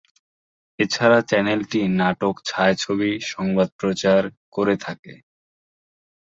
এছাড়া চ্যানেলটি নাটক, ছায়াছবি, সংবাদ প্রচার করে থাকে।